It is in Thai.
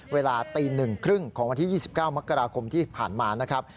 เวลาตี๑๓๐ของวันที่๒๙มกราคมที่ผ่านมานะครับ